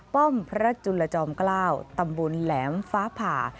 ป้อมพระจุลจอมเกล้าตำบลแหลมฟ้าผ่า